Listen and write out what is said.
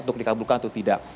atau dikabulkan atau tidak